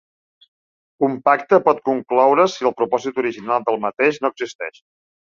Un pacte pot concloure's si el propòsit original del mateix no existeix.